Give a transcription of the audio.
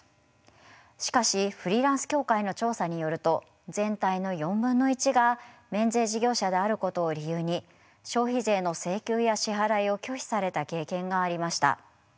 しかしフリーランス協会の調査によると全体の４分の１が免税事業者であることを理由に消費税の請求や支払いを拒否された経験がありました。